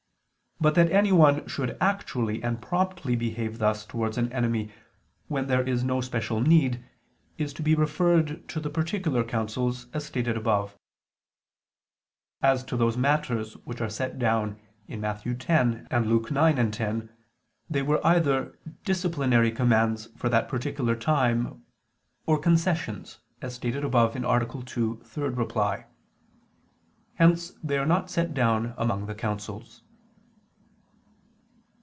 But that anyone should actually and promptly behave thus towards an enemy when there is no special need, is to be referred to the particular counsels, as stated above. As to those matters which are set down in Matt. 10 and Luke 9 and 10, they were either disciplinary commands for that particular time, or concessions, as stated above (A. 2, ad 3). Hence they are not set down among the counsels.